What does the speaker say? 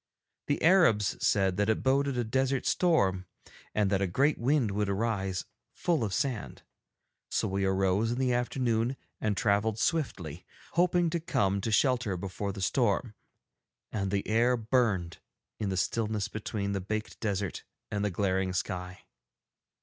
The Arabs said that it boded a desert storm, and that a great wind would arise full of sand. So we arose in the afternoon, and travelled swiftly, hoping to come to shelter before the storm. And the air burned in the stillness between the baked desert and the glaring sky.